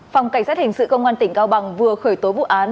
phòng cảnh sát hình sự công an tỉnh cao bằng vừa khởi tố vụ án